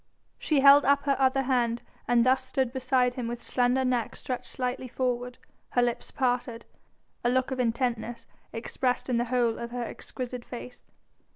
She held up her other hand and thus stood beside him with slender neck stretched slightly forward, her lips parted, a look of intentness expressed in the whole of her exquisite face.